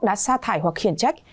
đã xa thải hoặc khiển trách